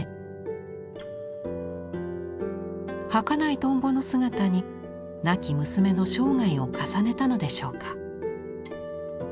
儚いトンボの姿に亡き娘の生涯を重ねたのでしょうか。